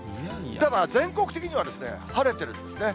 ただ、全国的には晴れてるんですね。